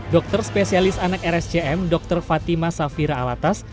dokter spesialis anak rscm dr fatima safira alatas